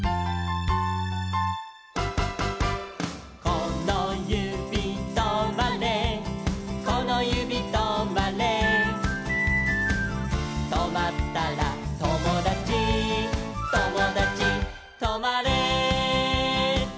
「このゆびとまれこのゆびとまれ」「とまったらともだちともだちとまれ」